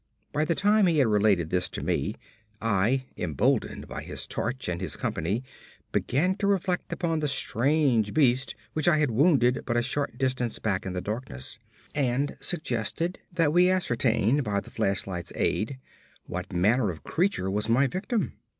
By the time he had related this to me, I, emboldened by his torch and his company, began to reflect upon the strange beast which I had wounded but a short distance back in the darkness, and suggested that we ascertain, by the flashlight's aid, what manner of creature was my victim.